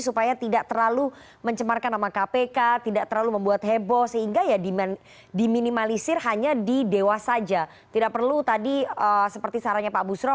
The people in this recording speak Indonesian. saya akan tanya nanti ke pak busro